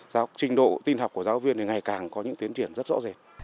trình độ tin học của giáo viên ngày càng có những tiến triển rất rõ ràng